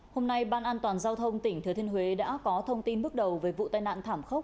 hôm nay ban an toàn giao thông tỉnh thừa thiên huế đã có thông tin bước đầu về vụ tai nạn thảm khốc